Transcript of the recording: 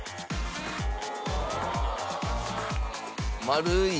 「丸い」